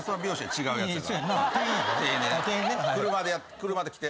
車で来て。